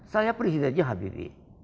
saya presidennya hadiri